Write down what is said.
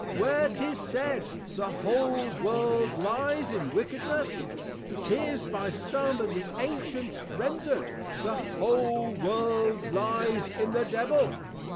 Where 'tis said, The whole World lyes in Wickedness; 'tis by some of the Ancients rendred, _The whole World lyes in the Devil.